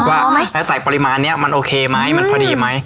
ว่าใส่ปริมาณเนี้ยมันโอเคมั้ยมันพอดีมั้ย